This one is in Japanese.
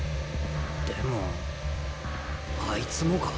でもあいつもか？